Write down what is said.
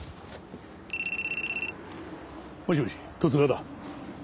もしもし十津川だ。